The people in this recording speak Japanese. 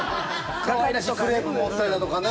ちょっとクレープ持ったりだとかね。